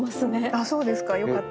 あっそうですかよかった。